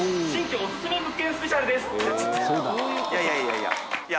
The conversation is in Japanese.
いやいや。